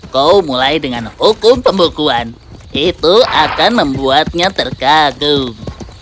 kau mulai dengan hukum pembukuan itu akan membuatnya terkagum